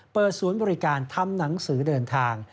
เปิดศูนย์บริการทำหนังสือเดินทาง